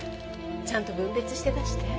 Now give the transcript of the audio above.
ちゃんと分別して出して。